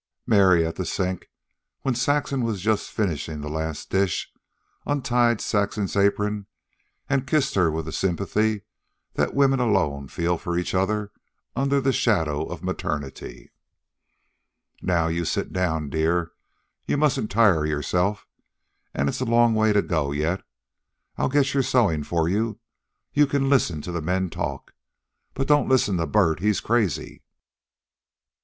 Mary, at the sink, where Saxon was just finishing the last dish, untied Saxon's apron and kissed her with the sympathy that women alone feel for each other under the shadow of maternity. "Now you sit down, dear. You mustn't tire yourself, and it's a long way to go yet. I'll get your sewing for you, and you can listen to the men talk. But don't listen to Bert. He's crazy."